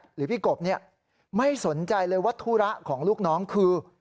หรือพี่กบไม่สนใจเลยว่าธุระของลูกน้องคือ